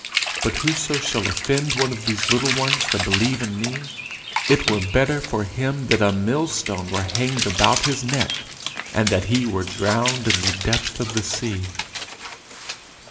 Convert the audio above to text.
But whoso shall offend one of these little ones that believe in me, it were better for him that a millstone were hanged about his neck, and that he were drowned in the depth of the sea."